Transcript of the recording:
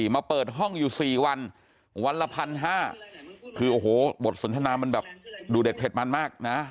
มาเปิดห้องอยู่๔วันวันละพันห้าคือโอ้โหบทสนทนามันแบบดูเด็ดเผ็ดมันมากนะ